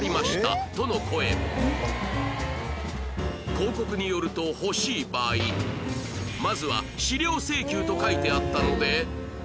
広告によると欲しい場合まずは資料請求と書いてあったので